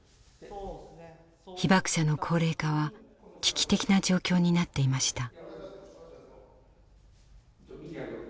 被爆者の高齢化は危機的な状況になっていました。